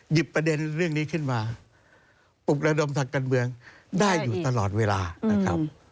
ประเด็นเรื่องนี้ขึ้นมาปลุกระดมทางการเมืองได้อยู่ตลอดเวลานะครับ